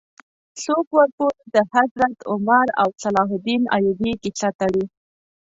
څوک ورپورې د حضرت عمر او صلاح الدین ایوبي کیسه تړي.